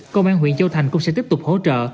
công an huyện châu thành cũng sẽ tiếp tục hỗ trợ